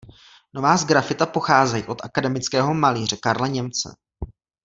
Nová sgrafita pocházejí od akademického malíře Karla Němce.